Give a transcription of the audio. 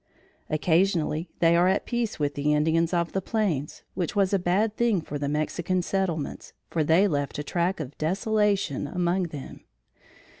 Occasionally they are at peace with the Indians of the plains, which was a bad thing for the Mexican settlements, for they left a track of desolation among them.